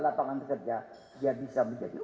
lapangan kerja dia bisa menjadi